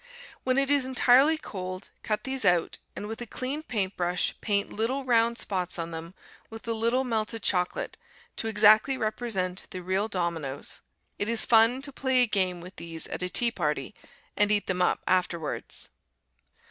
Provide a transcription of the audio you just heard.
When it is entirely cold, cut these out, and with a clean paint brush paint little round spots on them with a little melted chocolate, to exactly represent the real dominoes. It is fun to play a game with these at a tea party and eat them up afterwards.